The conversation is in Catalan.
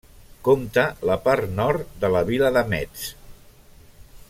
Compta la part nord de la vila de Metz.